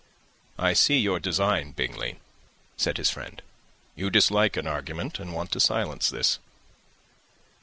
"I see your design, Bingley," said his friend. "You dislike an argument, and want to silence this."